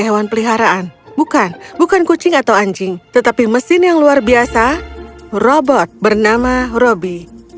hewan peliharaan bukan bukan kucing atau anjing tetapi mesin yang luar biasa robot bernama robby